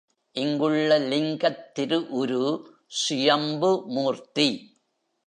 இங்குள்ள லிங்கத் திருஉரு சுயம்பு மூர்த்தி.